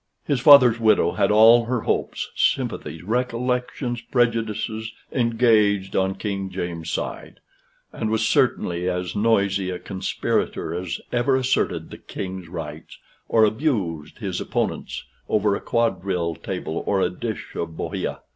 His father's widow had all her hopes, sympathies, recollections, prejudices, engaged on King James's side; and was certainly as noisy a conspirator as ever asserted the King's rights, or abused his opponent's, over a quadrille table or a dish of bohea.